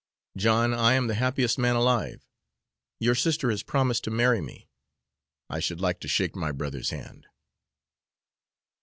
John, I am the happiest man alive. Your sister has promised to marry me. I should like to shake my brother's hand."